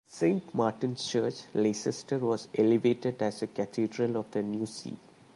Saint Martin's Church, Leicester, was elevated as the cathedral of the new see.